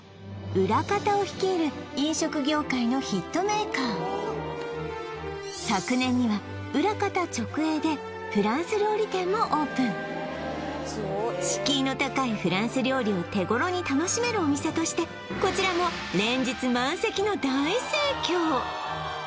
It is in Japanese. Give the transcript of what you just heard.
Ｕ．ＲＡＫＡＴＡを率いる飲食業界のヒットメーカー昨年にはＵ．ＲＡＫＡＴＡ直営でフランス料理店もオープン敷居の高いフランス料理を手ごろに楽しめるお店としてこちらも連日満席の大盛況